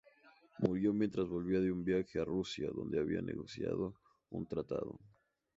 Murió mientras volvía de un viaje a Rusia, donde había negociado un tratado.